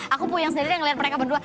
aku puyeng sendiri ngeliat mereka berdua